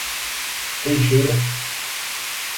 Teixeira